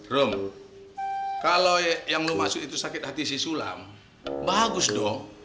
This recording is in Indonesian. rum kalau yang lo maksud itu sakit hati si sulam bagus dong